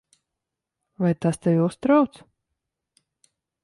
Vai tas tevi uztrauc?